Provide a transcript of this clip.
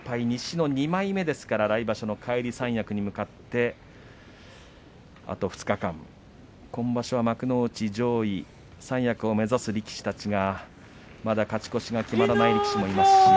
西の２枚目ですから来場所の返り三役に向かってあと２日間、今場所は幕内上位三役を目指す力士たちが勝ち越しが決まっていません。